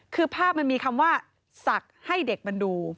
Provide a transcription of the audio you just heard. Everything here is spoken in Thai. คือภาพมันมีคำว่าศักดิ์ให้เด็กมันดู